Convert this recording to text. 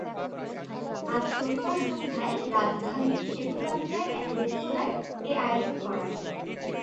আজ শনিবার সন্ধ্যায় রাজধানীর সেগুনবাগিচায় এক রেস্তোরাঁয় এ আয়োজন করা হয়।